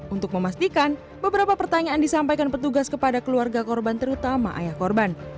untuk memastikan beberapa pertanyaan disampaikan petugas kepada keluarga korban terutama ayah korban